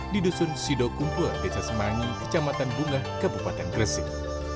di dusun sidokumpul desa semangi kecamatan bunga kabupaten gresik